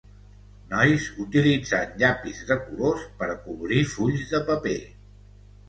Nois utilitzant llapis de colors per acolorir fulls de paper.